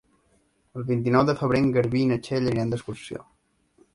El vint-i-nou de febrer en Garbí i na Txell aniran d'excursió.